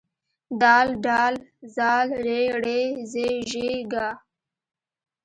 د ډ ذ ر ړ ز ژ ږ